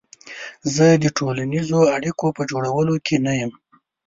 زه د ټولنیزو اړیکو په جوړولو کې نه یم.